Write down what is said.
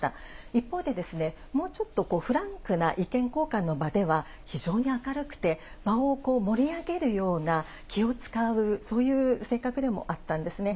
一方で、もうちょっとフランクな意見交換の場では、非常に明るくて、場を盛り上げるような気を遣うそういう性格でもあったんですね。